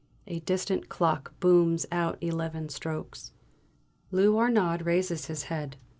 A distant clock booms out eleven strokes. Lou Arnaud raises his head.